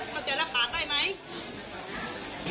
เขาจะรับปากได้ไหม